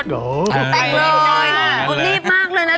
แต่งงานเลย